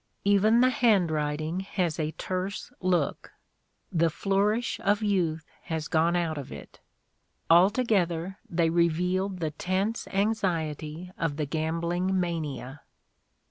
Even the handwrit ing has a terse look ; the flourish of youth has gone out of it. Altogether they reveal the tense anxiety of the gambling mania."